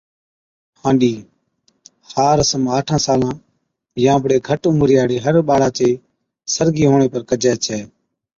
هاڏِي، ھا رسم آٺان سالان يان بڙي گھٽ عمرِي ھاڙي ھر ٻاڙا چي سرگِي ھُوَڻي پر ڪجَي ڇَي